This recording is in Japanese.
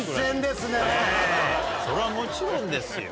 それはもちろんですよ。